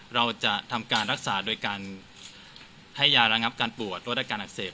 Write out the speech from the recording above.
เราจะทำการรักษาโดยการให้ยาระงับการปวดโรคการอักเสบ